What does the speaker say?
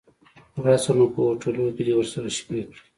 راشه نو په هوټلو کې دې ورسره شپې کړي.